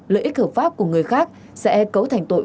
lợi ích hợp pháp của người khác sẽ cấu thành tội